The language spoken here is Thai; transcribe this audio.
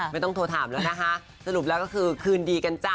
ไม่ต้องโทรถามแล้วนะคะสรุปแล้วก็คือคืนดีกันจ้ะ